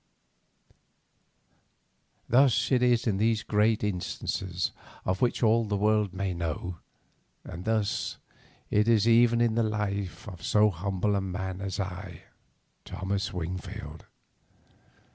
Thus it is in these great instances of which all the world may know, and thus it is even in the life of so humble a man as I, Thomas Wingfield.